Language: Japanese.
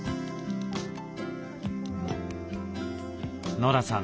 ノラさん